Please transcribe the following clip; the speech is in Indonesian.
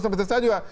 sampai sekarang juga